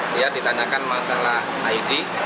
dia ditanyakan masalah id